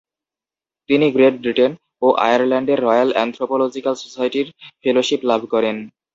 তিনি Great Britain ও আয়ারল্যান্ডের রয়াল অ্যানথ্রোপলজিক্যাল সোসাইটির ফেলোশিপ লাভ করেন।